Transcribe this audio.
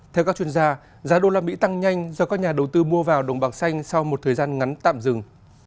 theo các chuyên gia giá usd tăng nhanh do các nhà đầu tư mua vào đồng bạc xanh sau một thời gian ngắn tạm dừng